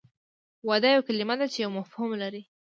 واده یوه کلمه ده چې یو مفهوم لري